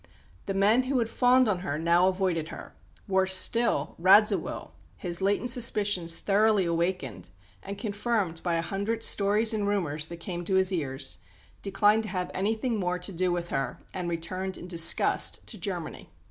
The men who had fawned on her now avoided her; worse still, Radziwill, his latent suspicions thoroughly awakened, and confirmed by a hundred stories and rumours that came to his ears, declined to have anything more to do with her, and returned in disgust to Germany.